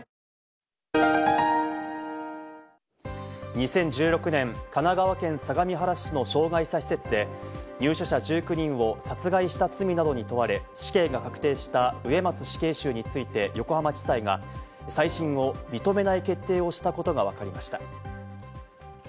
２０１６年、神奈川県相模原市の障害者施設で入所者１９人を殺害した罪などに問われ、死刑が確定した植松死刑囚について横浜地裁が再審を認めない決定をしたことがわかりました。